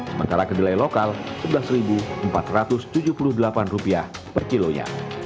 sementara kedelai lokal rp sebelas empat ratus tujuh puluh delapan per kilonya